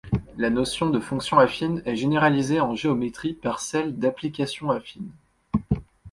La notion de fonction affine est généralisée en géométrie par celle d'application affine.